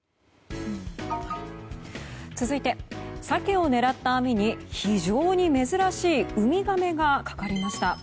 続いて、サケを狙った網に非常に珍しいウミガメがかかりました。